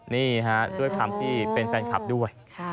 นี่ฮะด้วยความที่เป็นแฟนคลับด้วย